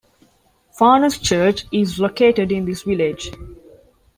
Farnes Church is located in this village.